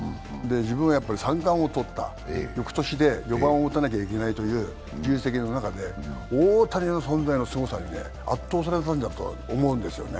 自分は三冠王をとった、翌年、４番を打たないといけない重責の中で大谷の存在のすごさに圧倒されたんだと思うんですよね。